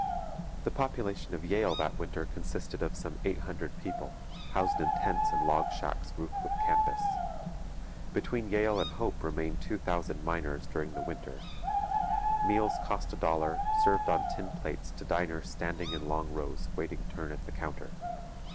The population of Yale that winter consisted of some eight hundred people, housed in tents and log shacks roofed with canvas. Between Yale and Hope remained two thousand miners during the winter. Meals cost a dollar, served on tin plates to diners standing in long rows waiting turn at the counter.